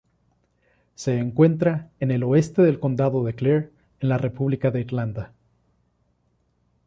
Se encuentra en el oeste del condado de Clare en la República de Irlanda.